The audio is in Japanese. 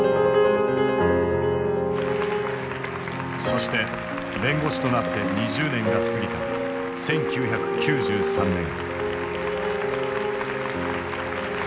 そして弁護士となって２０年が過ぎた１９９３年。